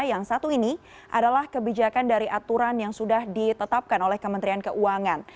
yang satu ini adalah kebijakan dari aturan yang sudah ditetapkan oleh kementerian keuangan